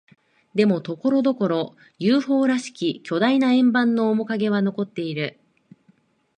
でも、ところどころ、ＵＦＯ らしき巨大な円盤の面影は残っている。